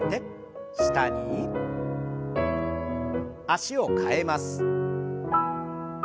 脚を替えます。